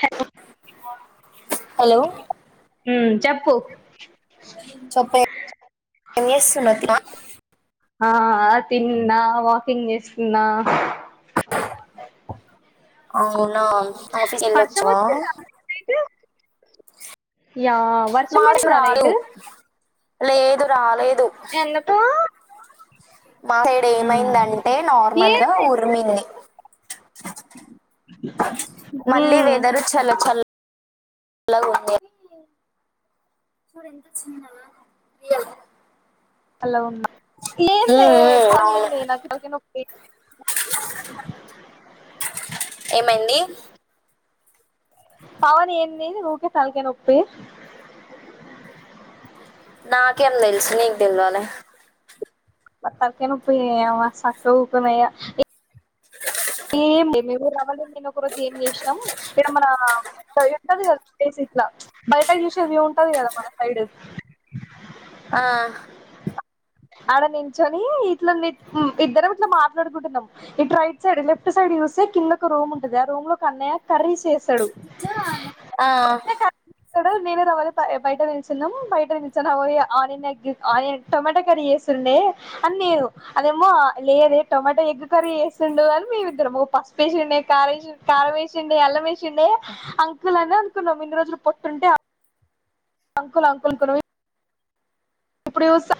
Hello hello మ్ చెప్పు చేప్పే ఎమ్ చేస్తున్నావ్ [unintelligible] ఆ తిన్నా వాకింగ్ చేస్తున్న అవునా ఆఫీస్ వెళ్లి వర్షం వచ్చావా వచ్చిందా నైట్ యా వర్షం మాక్ పడిందా రాదు నైట్ లేదు రాలేద్ ఎందుకు మా సైడ్ ఉమ్ ఏమైందంటే నార్మల్ గా ఏందే ఊర్మిన్ది మళ్ళీ ఉమ్ వెదరు చల్ల చల్ ల్లగుంది సార్ ఎంత చిన్నగా హలో లేందే ఉమ్ అవును పెనెందే నాకు తలకాయ్ నోపి ఎమైంది పావనెంది ఉకే తల్కయ్ నొప్పి నాకేం తెలుసు నీక్ తెల్వలే మ తల్కయ్ నోపి ని అవ్వ సక్కగుకున్న ఇగ మీరు రవాలి నేను ఒక రోజు ఏం చేసినాం ఇడ మన పోయుంటే కదా ప్లేస్ ఇట్ల బయట ఫ్రెష్ వ్యూ ఉంటాది కదా మన సైడ్ ఆ ఆడ నిల్చొని ఇట్లా ని ఇద్దరామ్ ఇట్లా మాట్లాడుకుంటున్నాం ఇటు రైట్ సైడ్ లే టు సైడ్ చూస్తే కిందకు రూమ్ ఉంటది ఆ రూమ్ లో ఒకన్నయ్య కర్రీస్ చెస్ తాడు ఆ క సైడ్ నేను రావాలి బ్ బయట నిల్చున్నాము బయట నిలిచాను అవో ఆనియన్గ్ ఆనియన్ టొమాటా కర్రీ చేస్తుండే అని నేను అదేమో లేదే టొమాటో ఎగ్గు కర్రీ చేస్తుండు అని మేము పసుపేసిండే కారేసిండె కారం ఏసిండే అల్లం వేసిండే అంకుల్ అని అనుకున్నం ఇన్ని రోజులు పొట్తుంటే అంకుల్ అంకుల్ అనుకో అప్పుడు చుస్త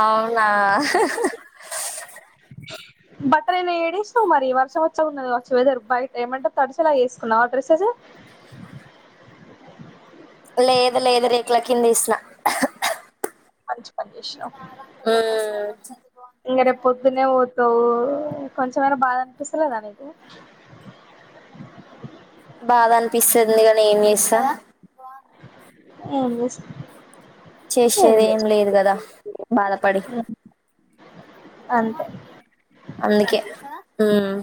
అవునా బట్టలన్ని ఏడేస్నవ్ మరి వర్షం వచ్చాలాగున్న వచ్చే వెదర్ బయట ఏమంటే తడిచేలాగేసుకున్నవ డ్రెస్ సజు లేదు లేదు రేకుల కిందేసిన మంచి పని చేసినవ్ ఉమ్ ఇంగ రేప్ పొద్దున్నే పోతవ్ కొంచెమైనా బాధ అనిపిస్తలేదా నీకు బ్లాంక్ బాధనిపిస్తుంది కానీ ఏం చేస్త ఏం చేస్ చేసేది ఏం లేదు గదా అంతే అందుకే హుమ్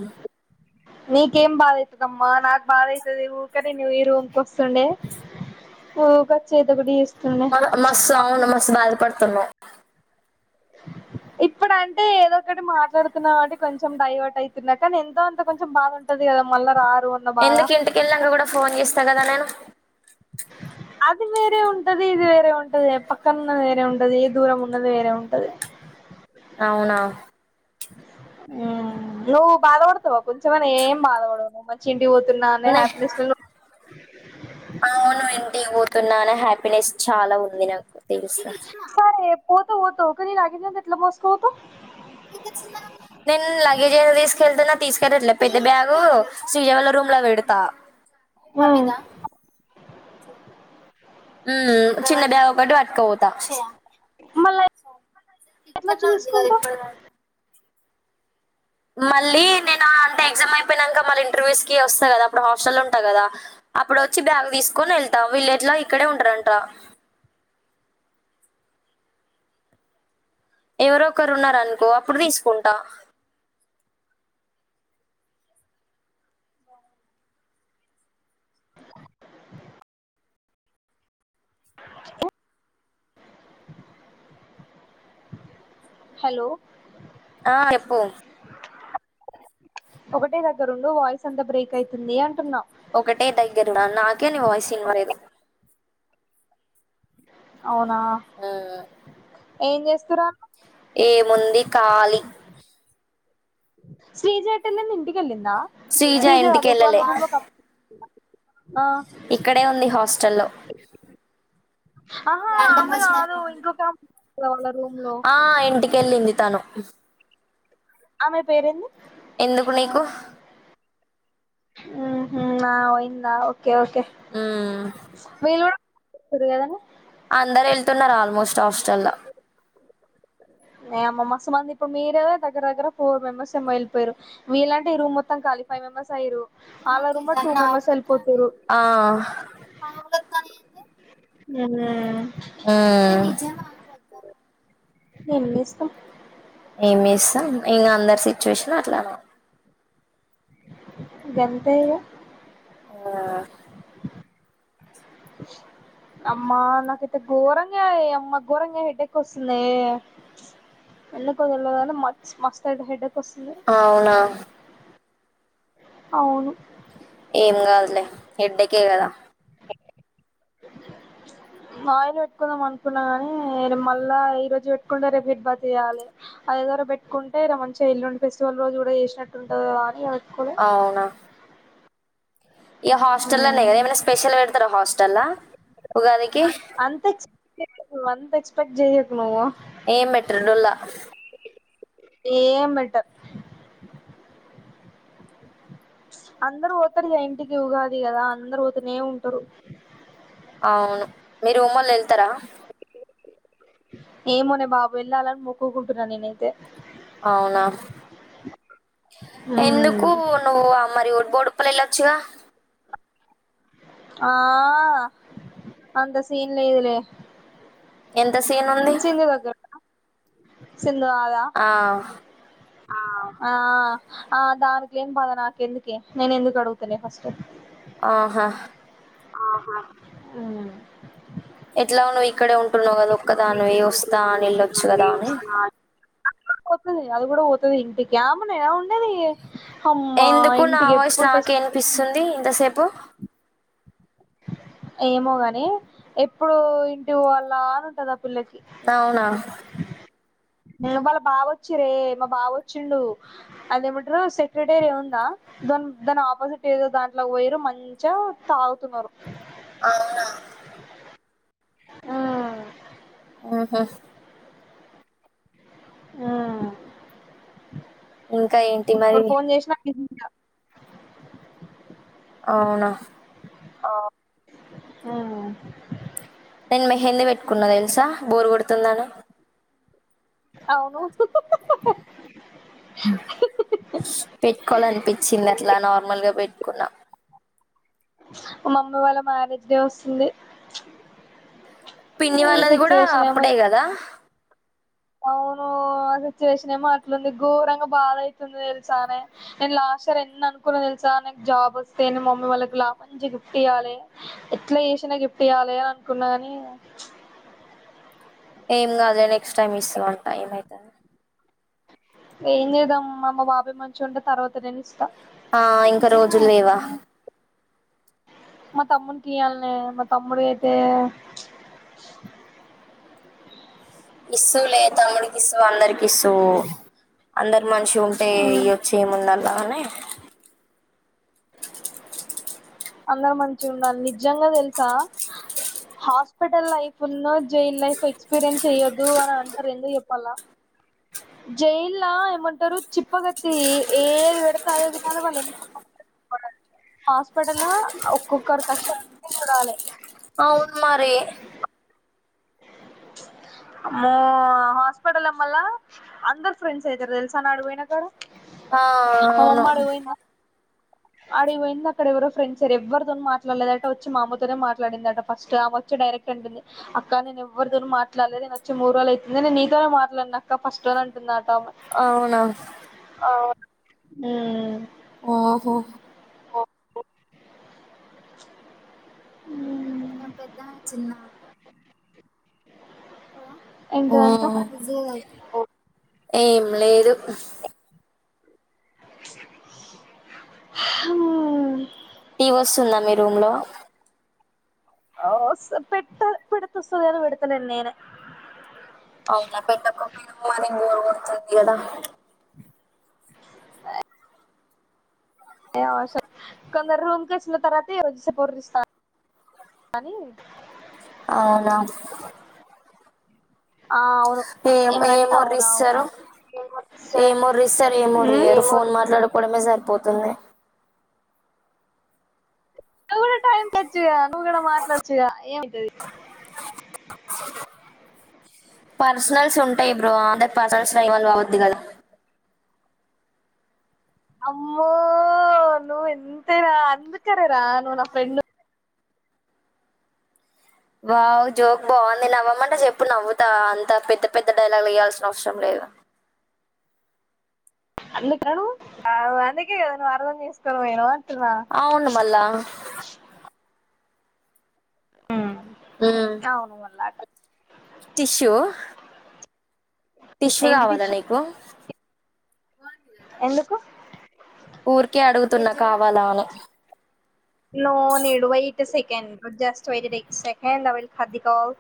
నీకేం బాదైతదమ్మా నాకు బాదైతది ఊకనేను ఈ రూమ్కోస్తుండే ఓ చేతబడి మ మస్తు అవును మస్తు బాధపడుతున్నవ్ బ్లాంక్ ఇప్పుడంటే ఏదో ఒకటి మాట్లాడుతున్న కాబట్టి కొంచెం డైవర్ట్ అవుతున్న కానీ ఎంతో అంత కొంచెం బాదుంటద్ గదా మళ్ల రా ఎందుకు ఇంటికెళ్ళినంక కూడా ఫోన్ చేస్తా కదా నేను సరే ఉం టది ఇది వేరే ఉంటదే పక్కన ఉన్నది వేరే ఉంటది దూరం ఉన్నది వేరే ఉంటది అవునా మ్ నువ్ బాధపడుతవా కొంచమైన్న ఏం బాధపడవు నువ్ మంచిం టికి పోతున్న అనే నే హ్యాపీనెస్ అవును ఇంటికి పోతున్న అనే హ్యాపీనెస్ చాలా ఉంది నాకు తెలుసు సరే పోతేపోత్తవు కనీ ఈ లగ్గేజ్ అంత ఎట్లా మోసుకపోతవ్ నేను లగేజ్ ఎందుకు తీసుకెళ్తున్న తీసుకెళ్ళట్లే పెద్ద బ్యాగు శ్రీజ వాళ్ళ రూమ్ లో పెడుతా ఆ హుమ్ హు మ్ చిన్న బ్యాగు ఒక్కటి పట్కపోత మళ్ళా ఎట్లాొచ్చి తీసుకుంటవ్ మళ్ళీ నేను అంటే ఎగ్జామ్ అయిపోయినంక మళ్ళీ ఇంటర్వ్యూస్ కి వస్తా కదా అప్పుడు హాస్టళ్ళుంట కదా అప్పుడోచ్చి బ్యాగ్ తీసుకొనేళ్తా విల్లేట్లగ్ ఇక్కడే ఉంటరంట బ్లాంక్ ఎవరొ ఒకరు ఉన్నారనుకో అప్పుడు తీసుకుంటా హలో ఆ చెప్పు ఒకటే దగ్గరుండు వాయిస్ అంత బ్రేక్ అయితుంది అంటున్నా ఒకటే దగ్గరున్న నాకే నీ వాయిస్ ఇన్వలేదు అవునా ఏం చేస్తురాలు ఏముంది ఖాలి శ్రీజ ఎటెల్లింది ఇంటికెళ్ళిందా శ్రీజ కాదు వాళ్ళ రూమ్లో ఒక ఇక్కడే ఉంది హాస్టల్లో ఆహా ఆమె కాదు ఇంకొకా ఆ ఇంటికెళ్ళింది తను ఆమె పేరేంది ఎందుకు నీకు మ్ హు ఆమె పోయిందా ఓకే ఓకే హ్మ్. వీళ్ళు గు తుర్రు గదనే అందరేళ్తున్నరు ఆల్మోస్ట్ హాస్టల్ల నె అమ్మ మస్ మంది ఇప్పు మీరే దెగ్గర దెగ్గర ఫోర్ మెంబర్స్ ఏమో ఎళ్ళపోయిరు మిలాంటి రూమ్ మొత్తం కాలి ఫై మెంబెర్స్ అయిరు ఆళ్ళ రొమ్ ల టూ మెంబర్స్ ఎల్లిపోతురు ఆ! ఉమ్ ఆహ్ ఎమ్ చేస్తం ఏమ్ చెస్తాం ఇంగ అందరి సిచ్యుయేషన్ అట్లనే గంతే ఇగ ఆహ్ అమ్మా నాకైతే ఘోరంగ ఇ అమ్మ ఘోరంగా హెడ్డెక్ ఒస్తుందే ఎందుకొ తెల్వదు గని మత్స్ మస్త్ హెడ్ హెడేక్ వస్తుంది అవునా అవును ఏం గాదులే హెడ్డెకె గదా ఆయిల్ పెట్టుకుందాం అనుకున్న గాని మళ్ళా ఈ రోజు పెట్టుకుంటే రేపు హెడ్ బాత్ చేయాలి అ దర పెట్టుకుంటె ఇగ మంచి ఎల్లుండి ఫెస్టివల్ రోజ గూడా చేసినట్టుంటది గా అని ఇగ పె అవునా ఇగ హాస్టల్ల్లోనే గదా ఏమైనా స్పెషల్ పెడతారా హాస్టల్ల్ల ఉగాదికి అంత ఎక్సపెక్ట్ అంత ఎక్స్పెక్ట్ చేయకు నువ్వు ఎమ్ బెట్టరు డొల్లా ఏమ్ బెట్టర్ అందరూ పోతరు గా ఇంటికి ఉగాది గదా అందరూ పోతనే ఉంటరు అవును మీ రుమోళ్లు ఎళ్తారా ఏమోనే బాబు ఎళ్ళాలని మొక్కుకుంటున్న నేనైతే అవునా ఎందుకు నువ్వు అ మరి ఒడ్బొడు ప్పల్ ఎళొచ్చుగా ఆహ్ అంత సీన్ లేదులే ఎంత సీన్ ఉంది సింధు దగ్గర సింధు గాదా ఆ ఆహ్ అ దానికిలేని బాద నాకెందుకే నేనేందుకడుగుతనే ఫస్ట్ ఆహా ఆహ ఎట్లాగొ నువ్వు ఇక్కడే ఉంటున్నవ్ గదా ఒక్కదానివే ఇక్కడ ఇగ వస్తా అని ఎళ్లొచ్చు ఉంటున్నాను గదా అని వస్తున్నా పోతది అది గుడా పోతది ఇంటి ఆమెనేనా ఉండేది అమ్మా ఎందుకు నా ఇంటికి వాయిస్ ఎప్పుడు ఫెస్ నాకే ఇనిపిస్తుంది ఇంతసేపు ఏమో గాని ఎప్పుడు ఇంటి పోవల్లా అని ఉంటది అ పుల్లకి అవునా నీలు వాళ్ళ బావ వచ్చిరే మా బావ వచ్చిండు అదేమంటరు సెక్రిటేరియా ఉందా దన్ దాని ఆపోజిట్ ఏదో దాంట్లక వొయిర్రు మంచీగా తాగుతున్నరు అవునా ఆ అహ మ్మ్ ఇంకా ఏంటి మరి ఇప్పుడు ఫోన్ జెశినా [unintelligible] అవునా ఆ నేను మెహందీ పెట్టుకున్నా తెల్సా బోర్ కొడుతుందని అవును పెట్టుకోవాలనిపించింది అట్లా నార్మల్ గా పెట్టుకున్నా మా మమ్మీ వాళ్ళ మ్యారేజ్ డే వస్తుంది పిన్ని వాళ్ళది కూడా అప్పుడే కదా అవునూ ఆ సిట్యుయేషనేమో అట్లుంది గోరంగా బాధైతుంది తెల్సానే నేన్ లాస్ట్ ఇయర్ ఎన్ననుకున్న తెల్ నాక్ జాబ్ ఒస్తే మమ్మీ వాళ్ళకి మంచి గిఫ్ట్ ఇయ్యాలి ఎట్లచేసన్న గిఫ్ట్ ఇయ్యాలే కున్నాగానీ ఇగ ఎంకాద్ లే నెక్స్ట్ టైమ్ ఇస్సువంట ఏమైతది ఏం చేదామ్మామ్మ మా బాబాయ్ మంచిగా ఉంటే తర్వాత నేనిస్తా ఆ ఇంకా రోజుళ్ళేవ మా తమ్మడికియాల్నే మా తమ్ముడైతే ఇస్తువ్లే తమ్ముడికి ఇస్తువ్ అందరికిస్తువ్ అందరు మంచిగుంటే ఇయ్యోచు ఏముందల్ల గాని అందరు మంచిగుండాలే నిజంగా తెలుసా హాస్పిటలైఫ్ ఉన్ను జైలైఫ్ ఎక్స్పీరియన్స్ చెయ్యదు అని అంటారు ఎందుకు చెప్పాల్న్ జైల్లా ఏమంటరు చిప్పగత్తి ఏ ఏది వెడితె అదే తినాలి వాళ్ళు ఎంత హాస్పిటల్లో ఒక్కొక్కరు కష్టాలనీ చూడాలే అవున్ మరీ అమ్మో హాస్పిటల్ల మళ్ళా అందరు ఫ్రెండ్స్ అయితారు తెల్సా నా ఆడికిపోయినకాడ ఆ అవును అడిగి పోయిందక్కడ ఎవరో ఫ్రెండ్స్ ఎవ్వరితోన్ మాట్లాడలేదట వచ్చి మా అమ్మ తోనే మాట్లాడిందట ఫస్ట్ ఆమెచ్ డైరెక్ట్ అంటుంది అక్క నేను ఎవరితోను మాట్లాడలే నేనొచ్చి మూడు రోజులైతుంది నేను నీతోనే మాట్లాడిన అక్క ఫస్ట్ అనంటుంది నాతో ఆమె అవునా మ్ ఒ హో ఒ హో మ్ ఈమె పెద్ద ఆమె చిన్నమే ఎంటిదంట ఊ ఓ ఏం లేదు హుమ్ టీవోస్తుందా మీ రూమ్ లో ఒ స్ పెట్ట పెడితొస్తది కానీ పెడుతలేన్ నేనే అవునా పెట్టకపోయినవ్ మరి [unintelligible] కదా ఎం అవ్ సర్ కొందరూమ్ కొచ్చిన తర్వాత [unintelligible] ఒరిస్త కానీ అవునా ఆ అవును ఏం ఏం ఏమనంటే అవునా అవునా ఒరిస్తరు ఏమోరీస్తరు ఏమోరియ్యారు ఫోన్ మాట్లాడుకోవడమే సరిపో తుంది నువ్వు కూడా టైం పాస్ చెయ్యలి నువ్వు కూడా మాట్లాడచ్చుగ ఏమైతది పర్సనల్స్ ఉంటాయ్ బ్రో ఆమె పర్సనల్స్ లో ఇన్వాల్వ్ అవివోద్దు కదా అమ్మో నువింతేరా అందుకనేర నువ్ నా ఫ్రెండ్ వావ్ జోక్ బాగుంది నవ్వమంటే చెప్పు నవ్వుతా అంత పెద్ద పెద్ద డైలాగులు ఎయాల్సిన అవసరం లేదు అందుకను అవ్ నువ్ అర్థం చేసుకొని పోయినావ్ వా అవును మళ్ళా మ్ మ్మ్ అవును మళ్ళా త్ టిష్యూ టిష్యూ ఏంటిది కావాలా నీకు ఎందుకు ఊర్ కే అడుగుతున్నా కావాలా అని no need wait second just wait it's second await for the call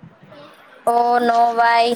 oh no why